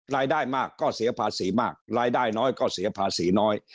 รายได้มากก็เสียภาษีมากรายได้น้อยก็เสียภาษีน้อย